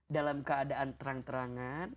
dalam keadaan terang terangan